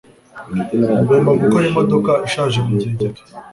Ngomba gukora imodoka ishaje mugihe gito.